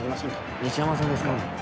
西山さんですか？